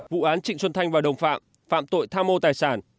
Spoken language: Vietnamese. vụ án trịnh xuân thanh và đồng phạm phạm tội tham mô tài sản